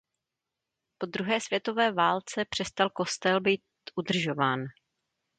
Po druhé světové válce přestal kostel být udržován.